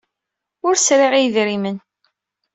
Ur serriɣ i yedrimen.